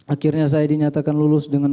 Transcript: akhirnya saya dinyatakan lulus dengan